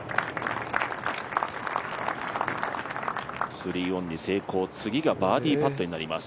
３オンに成功、次がバーディーパットになります。